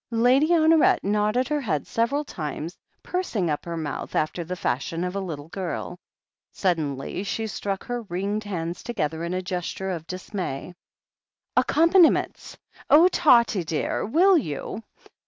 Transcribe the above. Lady Honoret nodded her head several times, purs ing up her mouth, after the fashion of a little girl. Suddenly she struck her ringed hands together in a gesture of dismay. "Accompaniments! Oh, Tottie, dear, will you?"